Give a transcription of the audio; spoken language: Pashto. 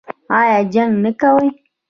ایا جنګ نه کوي؟